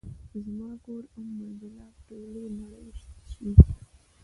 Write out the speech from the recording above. زما کور ام البلاد ، ټولې نړۍ شي